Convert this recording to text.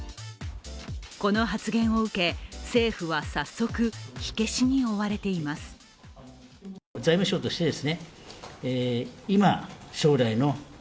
この発言を受け、政府は早速火消しに追われています。